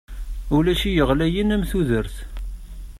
Ulac i iɣlayen am tudert.